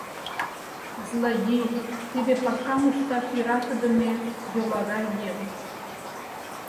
— Злодей — тиде пашам ышташ йӧратыдыме йолагай еҥ.